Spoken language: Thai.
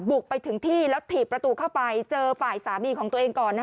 ไปถึงที่แล้วถีบประตูเข้าไปเจอฝ่ายสามีของตัวเองก่อน